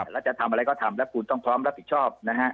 แล้วจะทำอะไรก็ทำแล้วคุณต้องพร้อมรับผิดชอบนะฮะ